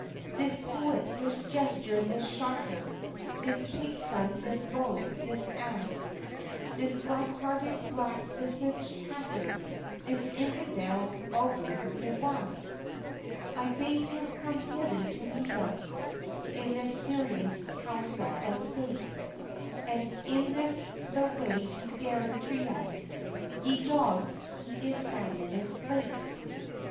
"This poet, this jester, this chaffer, this pig's son, this bullock, this ass, This black hearted, black visaged Kaffir, this Infidel, ABU NUWAS!" "I bade him come hither to meet us, in this serious Council of State; And this is the way he dares treat us. Ye dogs, he is five minutes late!"